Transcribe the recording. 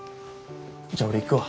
じゃあ俺行くわ。